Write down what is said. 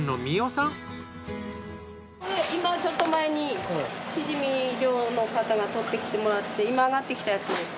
今ちょっと前にシジミ漁の方が採ってきてもらって今揚がってきたやつです。